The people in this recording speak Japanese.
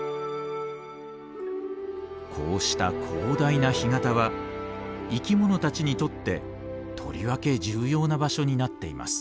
こうした広大な干潟は生き物たちにとってとりわけ重要な場所になっています。